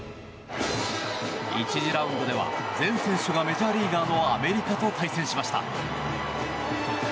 １次ラウンドでは全選手がメジャーリーガーのアメリカと対戦しました。